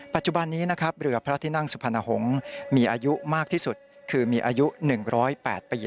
ปัจจุบันนี้นะครับเรือพระที่นั่งสุพรรณหงษ์มีอายุมากที่สุดคือมีอายุ๑๐๘ปี